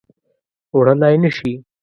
وړلای نه شي